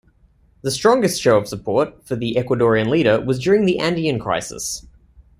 The strongest show of support for the Ecuadorian leader was during the Andean crisis.